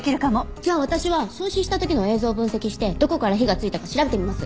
じゃあ私は焼死した時の映像を分析してどこから火がついたか調べてみます。